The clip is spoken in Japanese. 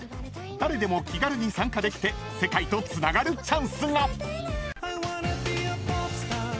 誰でも気軽に参加できて世界とつながるチャンスが］